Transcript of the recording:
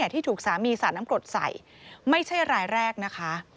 ที่ถูกสามีสาดน้ำกรดใส่ไม่ใช่รายแรกนะคะ